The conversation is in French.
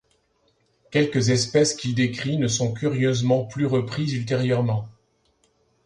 Quelques espèces qu'ils décrit ne sont curieusement plus reprises ultérieurement.